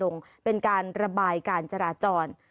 ถึงกลางดงเป็นการระบายการจราจร